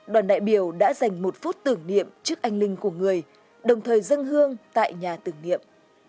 đoàn đại biểu đã dành một phút tưởng niệm trước anh linh của người đồng thời dân hương tại nhà tưởng niệm